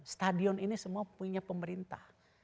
stadion ini semua punya pemerintah